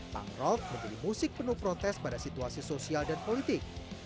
mangrove menjadi musik penuh protes pada situasi sosial dan politik